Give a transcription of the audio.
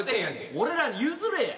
俺らに譲れや。